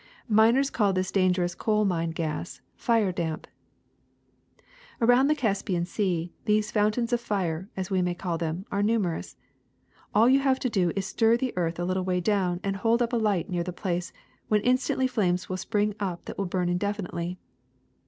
Miners call this dangerous coal mine gas ^ fire damp.^ ^'Around the Caspian Sea these fountains of fire, as we may call them, are numerous. All you have to do is to stir the earth a little way down and hold a light near the place, when instantly flames will spring up that will burn indefinitely.